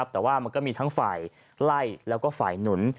แต่มีทั้งฝ่ายไล่และฝ่ายหนุน